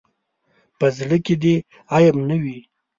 په زړۀ کې دې عیب نه وي.